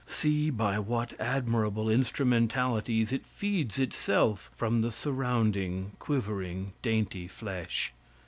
See by what admirable instrumentalities it feeds itself from the surrounding, quivering, dainty flesh!